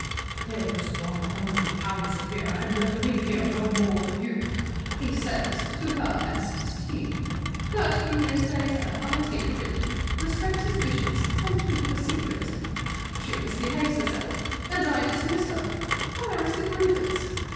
'Here is one hundred pounds a year, and let me hear no more of you,' he says to her at sixteen. Thirteen years later I take her in, respect his wishes, and keep the secret. She misbehaves herself, and I dismiss her. Where is the grievance?